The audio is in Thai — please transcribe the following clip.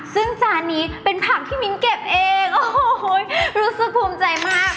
ซึ่งจานนี้เป็นผักที่มิ้นเก็บเองโอ้โหรู้สึกภูมิใจมาก